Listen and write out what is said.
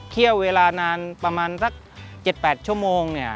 เครี่ยวเวลานานประมาณ๗๘ชั่วโมง